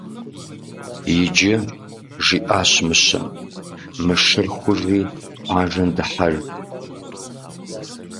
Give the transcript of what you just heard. Иджы, - жиӀащ Мыщэм, - мы шыр хужи къуажэм дыхьэж.